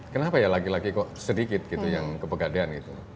kenapa ya laki laki kok sedikit gitu yang kepegadean gitu